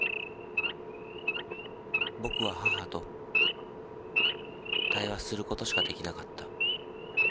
僕は母と対話することしかできなかった。